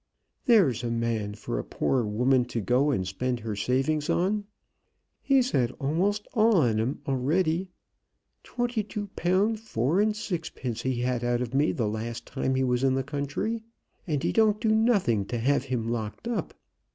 There's a man for a poor woman to go and spend her savings on! He's had a'most all on 'em already. Twenty two pound four and sixpence he had out o' me the last time he was in the country. And he don't do nothing to have him locked up.